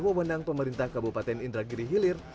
wewenang pemerintah kabupaten indra giri hilir